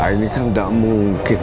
ini kan gak mungkin